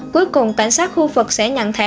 cuối cùng cảnh sát khu vực sẽ nhận thẻ